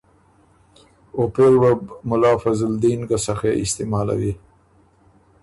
او پېری وه بُو ملا فضل دین ګه سخے استعمالوی،